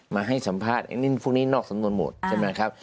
มาให้สัมภาษณ์ไอ้นั่นพวกนี้นอกสำนวนหมดใช่ไหมครับ